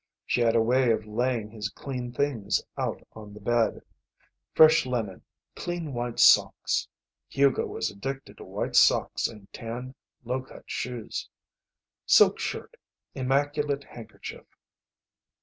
She had a way of laying his clean things out on the bed fresh linen, clean white socks (Hugo was addicted to white socks and tan, low cut shoes), silk shirt, immaculate handkerchief.